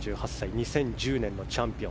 ２０１０年のチャンピオン。